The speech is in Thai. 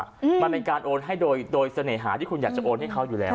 มันเป็นการโอนให้โดยโดยเสน่หาที่คุณอยากจะโอนให้เขาอยู่แล้ว